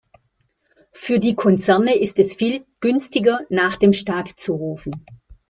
Für die Konzerne ist es viel günstiger, nach dem Staat zu rufen.